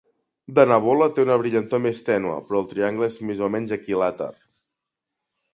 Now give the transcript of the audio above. Denebola té una brillantor més tènue, però el triangle és més o menys equilàter.